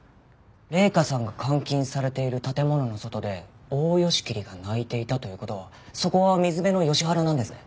麗華さんが監禁されている建物の外でオオヨシキリが鳴いていたという事はそこは水辺のヨシ原なんですね。